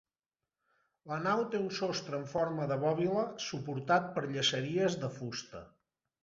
La nau té un sostre amb forma de bòbila suportat per llaceries de fusta.